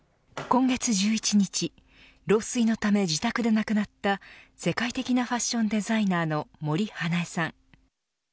今月１１日老衰のため自宅で亡くなった世界的なファッションデザイナーの森英恵さん。